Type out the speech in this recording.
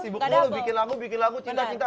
sibuk mulu bikin lamu bikin lagu cinta cinta